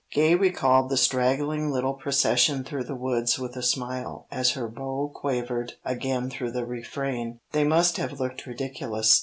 Gay recalled the straggling little procession through the woods with a smile, as her bow quavered again through the refrain. They must have looked ridiculous.